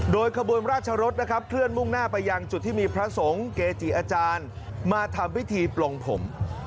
โดยขบวนราชรสนะครับเคลื่อนมุ่งหน้าไปยังจุดที่มีพระสงฆ์เกจิอาจารย์มาทำพิธีปลงผม